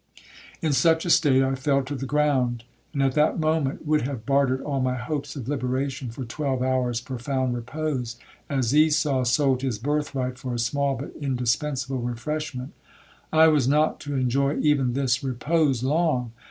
'In such a state I fell to the ground; and, at that moment, would have bartered all my hopes of liberation for twelve hours profound repose, as Esau sold his birth right for a small but indispensible refreshment. I was not to enjoy even this repose long.